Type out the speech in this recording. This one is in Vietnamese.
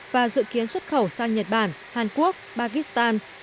và dự kiến xuất khẩu sang nhật bản hàn quốc pakistan